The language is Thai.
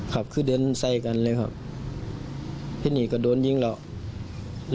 ครับคือเดินใส่กันเลยครับทีนี้ก็โดนยิงแล้ว